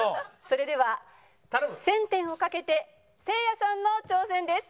それでは１０００点を賭けてせいやさんの挑戦です。